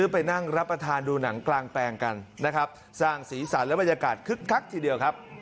โปรดติดตามตอนต่อไป